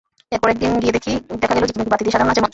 এরপর একদিন গিয়ে দেখা গেল ঝিকিমিকি বাতি দিয়ে সাজানো নাচের মঞ্চ।